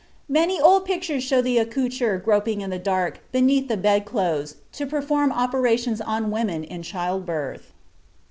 Many old pictures show the accoucheur groping in the dark, beneath the bed clothes, to perform operations on women in childbirth.